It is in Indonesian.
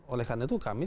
oleh karena itu kami